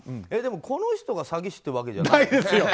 でも、この人が詐欺師ってわけじゃないよね？